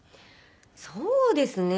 そうですね。